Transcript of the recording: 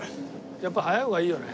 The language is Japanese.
やっぱ早い方がいいよね。